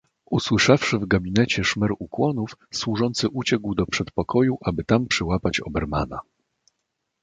"Usłyszawszy w gabinecie szmer ukłonów, służący uciekł do przedpokoju, aby tam przyłapać Obermana."